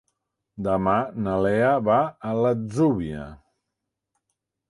Demà na Lea va a l'Atzúbia.